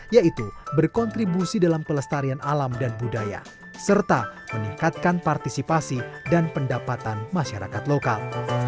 yaitu berkontribusi dalam pelestarian alam dan budaya serta meningkatkan partisipasi dan pendapatan masyarakat lokal